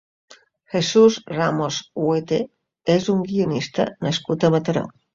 Jesús Ramos Huete és un guionista nascut a Mataró.